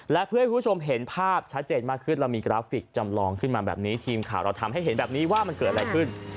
และเพื่อให้คุณผู้ชมเห็นภาพชัดเจนมากขึ้นเรามีกราฟิกจำลองขึ้นมาแบบนี้ทีมข่าวเราทำให้เห็นแบบนี้ว่ามันเกิดอะไรขึ้น